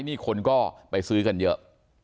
นี่คนก็ไปซื้อกันเยอะ